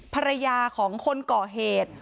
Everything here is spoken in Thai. ภรรยาของคนก่อเหตุ